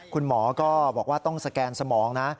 คุณหมอก็บอกว่าต้องสแกนสมองนะ